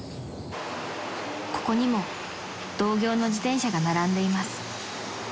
［ここにも同業の自転車が並んでいます］